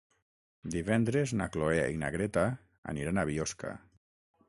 Divendres na Cloè i na Greta aniran a Biosca.